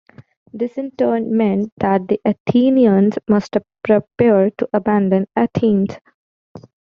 This in turn meant that the Athenians must prepare to abandon Athens.